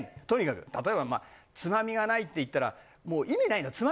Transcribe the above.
とにかく例えばまあつまみがないって言ったらもう意味ないの。